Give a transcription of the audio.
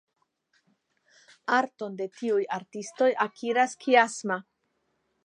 Arton de tiuj artistoj akiras Kiasma.